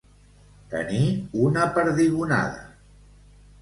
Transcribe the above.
Tenir una perdigonada.